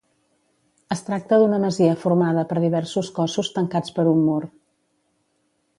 Es tracta d'una masia formada per diversos cossos tancats per un mur.